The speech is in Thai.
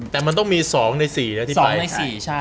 แต่มันต้องมี๒ใน๔นะ